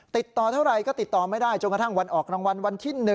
ติดต่อเท่าไหร่ก็ติดต่อไม่ได้จนกระทั่งวันออกรางวัลวันที่๑